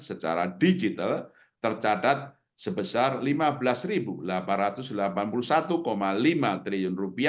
secara digital tercatat sebesar rp lima belas delapan ratus delapan puluh satu lima triliun